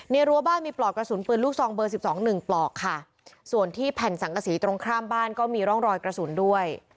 รั้วบ้านมีปลอกกระสุนปืนลูกซองเบอร์สิบสองหนึ่งปลอกค่ะส่วนที่แผ่นสังกษีตรงข้ามบ้านก็มีร่องรอยกระสุนด้วย